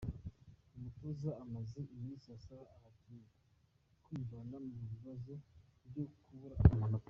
Umutoza amaze iminsi asaba abakinnyi kwivana mu bibazo byo kubura amanota.